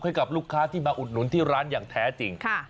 ให้กับลูกค้าที่มาอุดหนุนที่ร้านอย่างแท้จริง